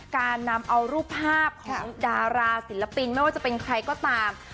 การนำเอารูปภาพของดาราศิลปินไม่ว่าจะเป็นใครก็ตาม